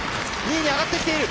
２位に上がってきている。